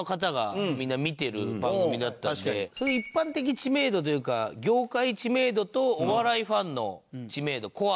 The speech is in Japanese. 一般的知名度というか業界知名度とお笑いファンの知名度コアな感じ。